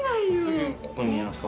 ここ見えますか？